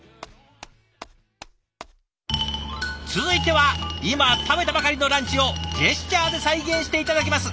続いては今食べたばかりのランチをジェスチャーで再現して頂きます。